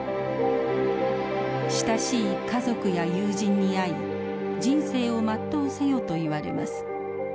親しい家族や友人に会い人生を全うせよと言われます。